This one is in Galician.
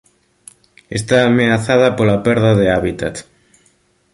Está ameazada pola perda de hábitat.